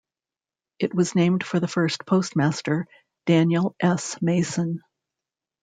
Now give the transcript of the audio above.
It was named for the first postmaster, Daniel S. Mason.